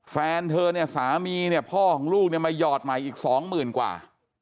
แฟนเธอเนี่ยสามีเนี่ยพ่อของลูกเนี่ยมาหยอดใหม่อีกสองหมื่นกว่า